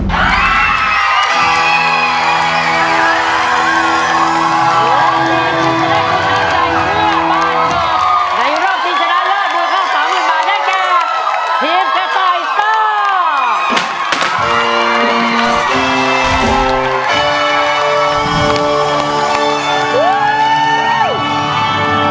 ในรอบที่ชนะเลิศมูลค่า๓๐๐๐๐บาทได้แก่ทีมกระไต่ซ่า